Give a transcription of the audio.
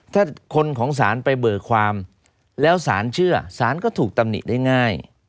ถ้าคนของศาลไปเบิกความแล้วสารเชื่อสารก็ถูกตำหนิได้ง่าย